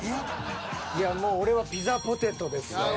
いやもう俺はピザポテトですね。